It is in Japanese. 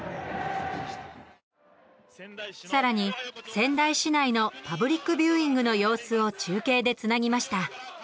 さらに仙台市内のパブリックビューイングの様子を中継でつなぎました。